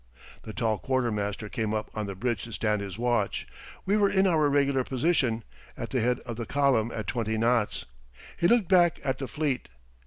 The tall quartermaster came up on the bridge to stand his watch. We were in our regular position, at the head of the column at twenty knots. He looked back at the fleet.